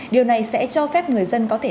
điều này sẽ cho phép người dân có thể